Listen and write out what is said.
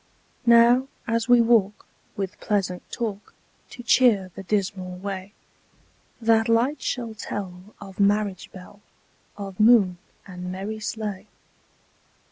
Now, as we walk, with pleasant talk To cheer the dismal way, That light shall tell of marriage bell, Of moon and merry sleigh.